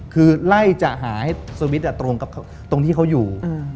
คือไล่จะหาให้สวิตช์ตรงกับตรงที่เขาอยู่